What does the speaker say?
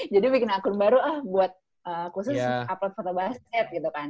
jadi bikin akun baru ah buat khusus upload fotobasket gitu kan